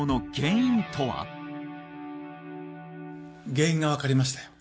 原因が分かりましたよ